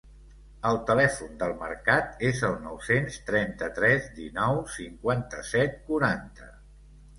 El telèfon del mercat és el nou-cents trenta-tres dinou cinquanta-set quaranta.